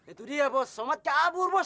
itu dia bos somat kabur bos